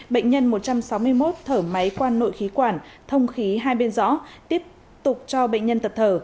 bệnh nhân một trăm sáu mươi một thở máy qua nội khí quản thông khí hai bên rõ tiếp tục cho bệnh nhân tập thở